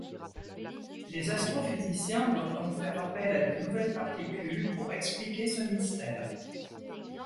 Les astrophysiciens doivent donc faire appel à de nouvelles particules pour expliquer ce mystère.